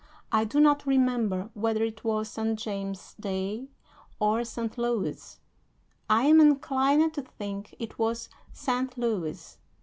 I do not remember whether it was Saint James's day or Saint Louis's; I am inclined to think it was Saint Louis's.